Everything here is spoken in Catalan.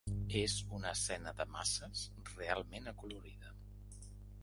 És una escena de masses realment acolorida.